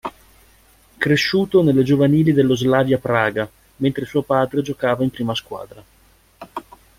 Cresciuto nelle giovanili dello Slavia Praga, mentre suo padre giocava in prima squadra.